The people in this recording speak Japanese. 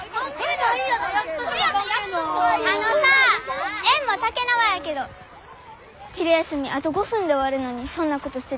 あのさ宴もたけなわやけど昼休みあと５分で終わるのにそんなことしてていいん？